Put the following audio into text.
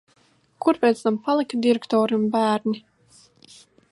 Kur pēc tam palika direktore un bērni?